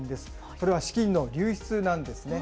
それは資金の流出なんですね。